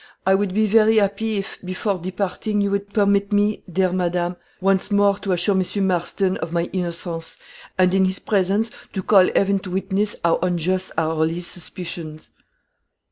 I would be very happy if, before departing, you would permit me, dear madame, once more to assure Mr. Marston of my innocence, and, in his presence, to call heaven to witness how unjust are all his suspicions."